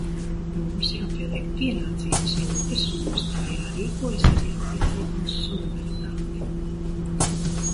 Mums jāpieliek pienācīgas rūpes un mums tā jārīkojas arī attiecībā uz solidaritāti.